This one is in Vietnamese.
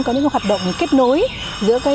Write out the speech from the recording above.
có những cái hoạt động kết nối giữa